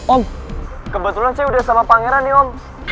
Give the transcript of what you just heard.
om kebetulan saya udah sama pangeran nih om